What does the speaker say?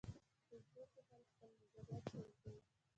په فېسبوک کې خلک خپل نظریات شریکوي